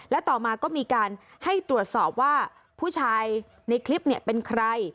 และต่อมาก็มีการให้ตรวจสอบว่าผู้ชายในคลิปเป็นใคร